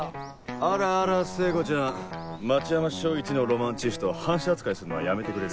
あらあら聖子ちゃん町山署いちのロマンチストを反社扱いすんのはやめてくれる？